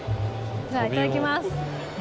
じゃあいただきます。